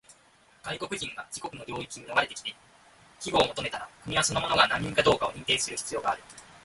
外国人が自国の領域に逃れてきて庇護を求めたら、国はその者が難民かどうかを認定する必要がある。